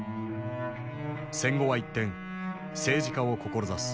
戦後は一転政治家を志す。